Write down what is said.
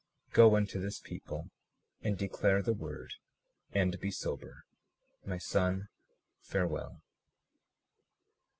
Go unto this people and declare the word, and be sober. My son, farewell.